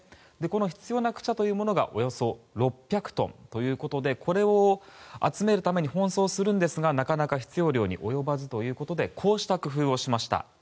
必要なクチャというものがおよそ６００トンということでこれを集めるために奔走するんですがなかなか必要量に及ばずということでこうした工夫をしました。